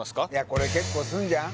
これ結構するんじゃん？